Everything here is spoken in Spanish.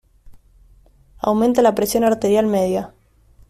Aumenta la presión arterial media.